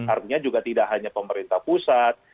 artinya juga tidak hanya pemerintah pusat